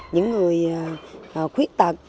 những người khuyết tật